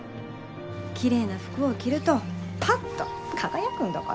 綺麗な服を着るとパッと輝くんだから。